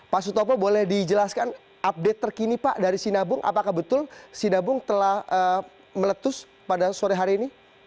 pak sutopo boleh dijelaskan update terkini pak dari sinabung apakah betul sidabung telah meletus pada sore hari ini